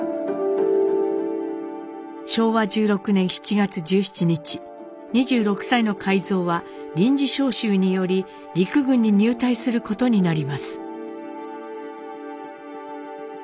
昭和１６年７月１７日２６歳の海蔵は臨時召集により陸軍に入隊することになります。